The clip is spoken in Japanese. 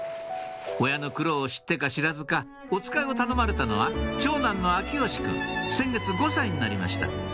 親の苦労を知ってか知らずかおつかいを頼まれたのは長男の耀義くん先月５歳になりました